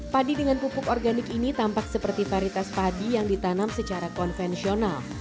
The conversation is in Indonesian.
padi dengan pupuk organik ini tampak seperti varitas padi yang ditanam secara konvensional